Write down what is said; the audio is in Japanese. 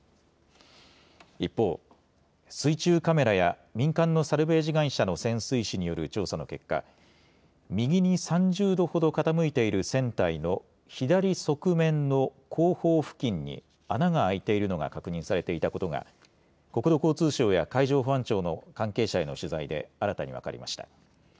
一方、水中カメラや民間のサルベージ会社の潜水士による調査の結果、右に３０度ほど傾いている船体の左側面の後方付近に穴が開いているのが確認されていたことが国土交通省や海上保安庁の関係者への取材で新たに分かりました。